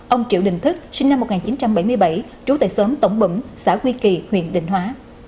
ông triệu đình thức sinh năm một nghìn chín trăm bảy mươi bảy trú tại xóm tổng bm xã quy kỳ huyện định hóa